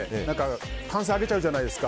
歓声上げちゃうじゃないですか。